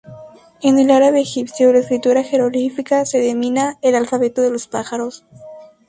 En el árabe egipcio, la escritura jeroglífica se denomina "el alfabeto de los pájaros".